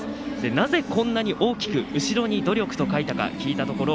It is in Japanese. なぜこんなに大きく後ろに努力と書いたか聞いたところ